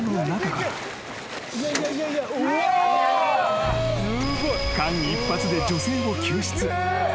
［間一髪で女性を救出］